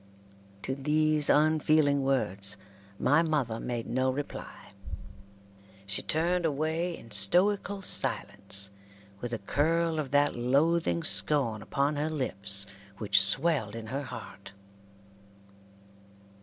To these unfeeling words my mother made no reply. She turned away in stoical silence, with a curl of that loathing scorn upon her lips which swelled in her heart.